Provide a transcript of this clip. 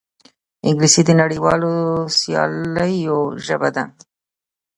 انګلیسي د نړیوالو سیالیو ژبه ده